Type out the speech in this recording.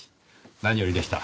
何よりでした。